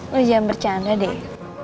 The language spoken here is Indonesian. lo jangan bercanda deh